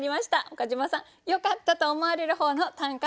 岡島さんよかったと思われる方の短歌